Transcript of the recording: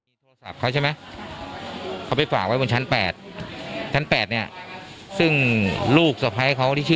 น้องไม่เป็นไรแม่น้องปลอดภัยดี